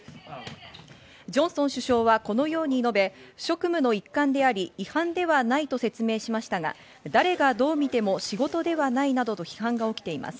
ジョンソン首相はこのように述べ、職務の一環であり違反ではないと説明しましたが、誰がどう見ても仕事ではないなどと批判が起きています。